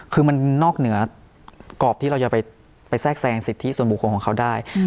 คือมันนอกเหนือกรอบที่เราจะไปแทรกแทรงสิทธิส่วนบุคคลของเขาได้